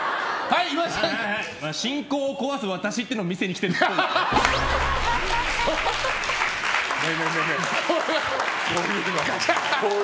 進行を壊す私っていうのを見せに来てるっぽい。